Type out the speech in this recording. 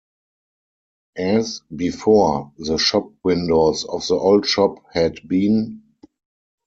As, before, the shop windows of the old shop had been.